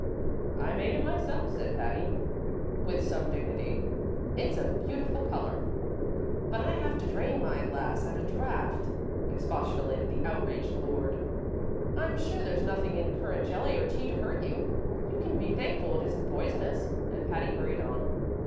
"I made it myself," said Patty, with some dignity. "It's a beautiful color." "But I have to drain my glass at a draught," expostulated the outraged lord. "I'm sure there's nothing in currant jelly or tea to hurt you. You can be thankful it isn't poisonous." And Patty hurried on.